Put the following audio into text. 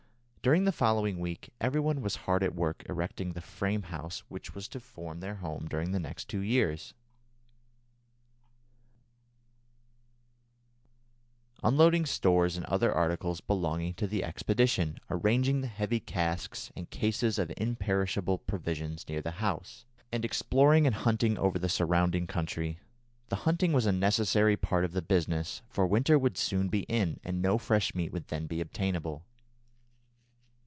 ] During the following week every one was hard at work erecting the frame house which was to form their home during the next two years, unloading stores and other articles belonging to the expedition, arranging the heavy casks and cases of imperishable provisions near the house, and exploring and hunting over the surrounding country. The hunting was a necessary part of the business, for winter would soon be in and no fresh meat would then be obtainable.